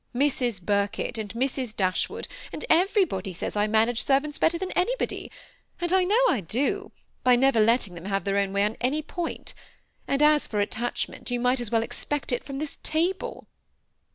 Mrs. Bir kett, and Mrs. Dashwood, and everybody says I manage servants better than anybody; and I know I do, by never letting them have their own way on any one point ; and as for attachment, you might as well expect it from this table."